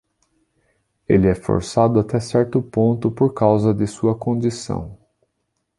Ele é forçado até certo ponto por causa de sua condição.